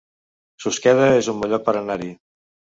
Susqueda es un bon lloc per anar-hi